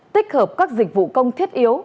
tích hợp các dịch vụ công thiết yếu